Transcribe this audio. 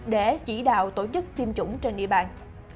để chỉ đạo tổ chức tiêm chủng trên địa bàn